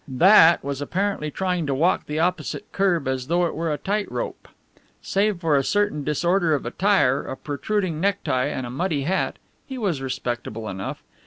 "That" was apparently trying to walk the opposite kerb as though it were a tight rope. Save for a certain disorder of attire, a protruding necktie and a muddy hat, he was respectable enough.